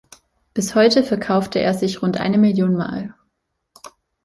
Bis heute verkaufte er sich rund eine Million Mal.